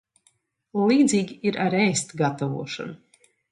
Līdzīgi ir ar ēst gatavošanu.